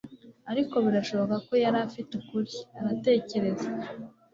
ariko birashoboka ko yari afite ukuri, aratekereza